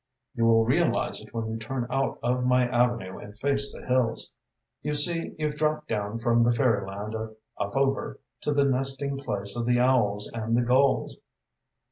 "You will realise it when you turn out of my avenue and face the hills. You see, you've dropped down from the fairyland of 'up over' to the nesting place of the owls and the gulls."